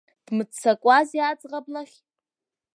Дмыццакуази аӡӷаб лахь.